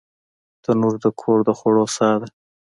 تنور د کور د خوړو ساه ده